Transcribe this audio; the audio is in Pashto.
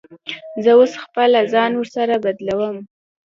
زه اوس خپله ځان ورسره بلدوم.